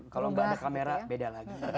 kalau nggak ada kamera beda lagi